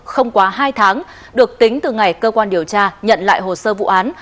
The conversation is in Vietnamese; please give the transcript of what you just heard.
không quá hai tháng được tính từ ngày cơ quan điều tra nhận lại hồ sơ vụ án